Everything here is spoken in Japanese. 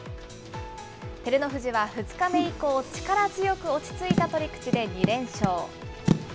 照ノ富士は２日目以降、力強く落ち着いた取り口で２連勝。